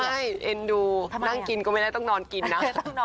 ใช่เอ็นดูนั่งกินก็ไม่ได้ต้องนอนกินนะ